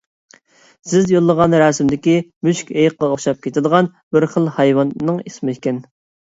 سىز يوللىغان رەسىمدىكى مۈشۈكئېيىققا ئوخشاپ كېتىدىغان بىر خىل ھايۋاننىڭ ئىسمىكەن؟